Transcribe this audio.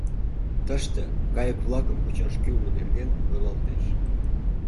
Тыште кайык-влакым кучаш кӱлмӧ нерген ойлалтеш.